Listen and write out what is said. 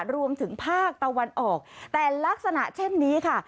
รวมถึงภาคตะวันออกแต่ลักษณะเช่นนี้ค่ะ